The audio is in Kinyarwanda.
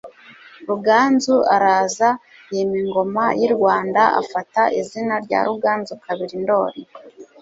ruganzu araza yima ingoma y'i Rwanda afata izina rya Ruganzu II Ndoli.